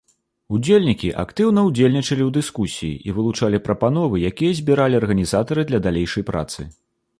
Удзельнікі актыўна ўдзельнічалі ў дыскусіі і вылучалі прапановы, якія збіралі арганізатары для далейшай працы.